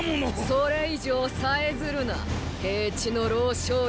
それ以上さえずるな平地の老将よ。